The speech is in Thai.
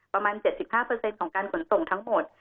ประมาณ๗๕เปอร์เซ็นต์ของการขนส่งทั้งหมด